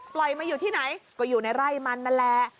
มาอยู่ที่ไหนก็อยู่ในไร่มันนั่นแหละ